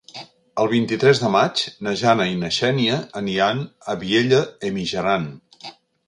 El vint-i-tres de maig na Jana i na Xènia aniran a Vielha e Mijaran.